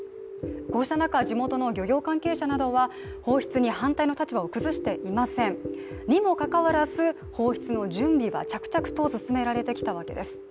こうした中、地元の漁業関係者などは放出に反対の立場を崩していません、にもかかわらず、放出の準備は着々と進められてきたわけです。